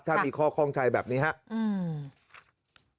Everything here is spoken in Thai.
ถ้ามีข้อคล่องชัยแบบนี้ครับ